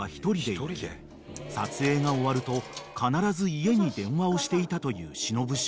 ［撮影が終わると必ず家に電話をしていたという忍少年］